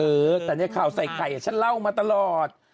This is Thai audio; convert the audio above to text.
เออแต่ในข่าวใส่ไข่ฉันเล่ามาตลอด